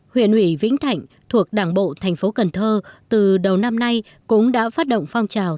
huyện ủy vĩnh thạnh thuộc đảng bộ tp cn từ đầu năm nay cũng đã phát động phong trào